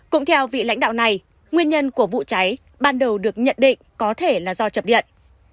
cũng theo vị lãnh đạo này nguyên nhân của vụ cháy ban đầu được nhận định có thể là do chập điện